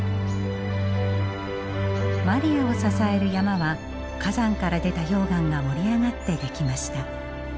マリアを支える山は火山から出た溶岩が盛り上がって出来ました。